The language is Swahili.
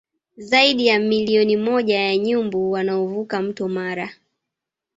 Zaidi ya milioni moja ya nyumbu wanaovuka mto Mara